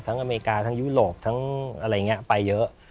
อเมริกาทั้งยุโรปทั้งอะไรอย่างนี้ไปเยอะ